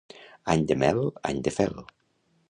Any de mel, any de fel.